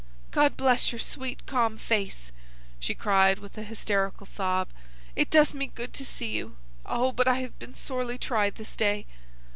"God bless your sweet calm face!" she cried, with an hysterical sob. "It does me good to see you. Oh, but I have been sorely tried this day!"